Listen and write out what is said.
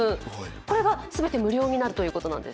これが全て無料になるということなんです。